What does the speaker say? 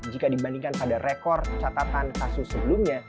jika dibandingkan pada rekor catatan kasus sebelumnya